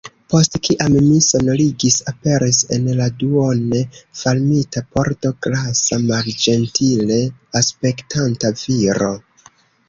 Post kiam mi sonorigis, aperis en la duone fermita pordo grasa malĝentile aspektanta viro.